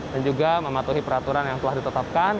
dan juga mematuhi peraturan yang telah ditetapkan